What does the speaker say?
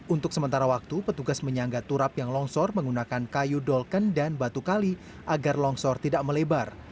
untuk sementara waktu petugas menyangga turap yang longsor menggunakan kayu dolken dan batu kali agar longsor tidak melebar